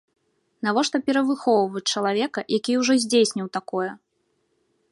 Навошта перавыхоўваць чалавека, які ўжо здзейсніў такое!